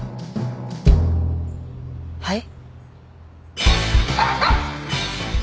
はい？